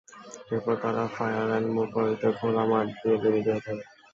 এরপর তারা fire and move পদ্ধতিতে খোলা মাঠ দিয়ে বেরিয়ে যেতে থাকেন।